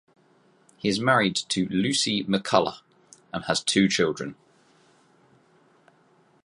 He is married to Lucci McCullough and has two children.